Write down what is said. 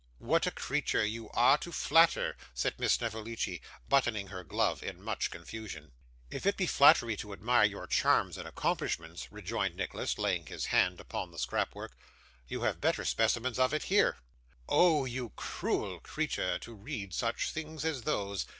'What a creature you are to flatter!' said Miss Snevellicci, buttoning her glove in much confusion. 'If it be flattery to admire your charms and accomplishments,' rejoined Nicholas, laying his hand upon the scrapbook, 'you have better specimens of it here.' 'Oh you cruel creature, to read such things as those!